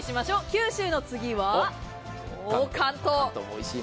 九州の次は関東。